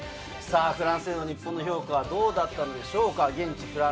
フランスでの日本の評価はどうだったんでしょうか？